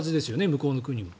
向こうの国も。